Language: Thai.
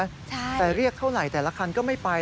แต่เรียกเท่าไหร่แต่ละคันก็ไม่ไป